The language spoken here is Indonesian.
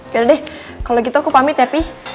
yaudah deh kalau gitu aku pamit ya pi